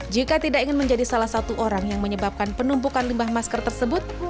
jika tidak ingin menjadi salah satu orang yang menyebabkan penumpukan limbah masker tersebut